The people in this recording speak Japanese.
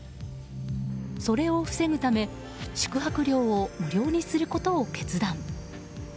それを防ぐため宿泊料を無料にすることを決断。